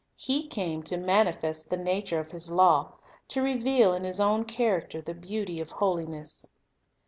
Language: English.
He came to manifest the nature of His law, to reveal in His own character the beauty of holiness.